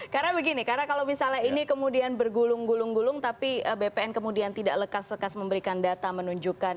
karena begini karena kalau misalnya ini kemudian bergulung gulung gulung tapi bpn kemudian tidak lekas lekas memberikan data menunjukkan